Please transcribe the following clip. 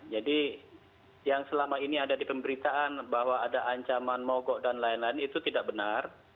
jadi yang selama ini ada di pemberitaan bahwa ada ancaman mogok dan lain lain itu tidak benar